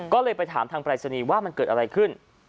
ก็เลยไปถามทางปรายศนีย์ว่ามันเกิดอะไรขึ้น